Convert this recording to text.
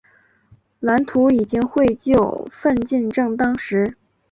蓝图已经绘就，奋进正当时。